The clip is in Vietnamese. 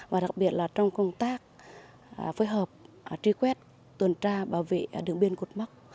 và đặc biệt là trong công tác phối hợp truy quét tuần tra bảo vệ đường biên cột mốc